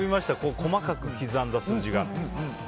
細かく刻んだ数字が。